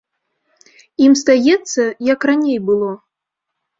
Ім здаецца, як раней было!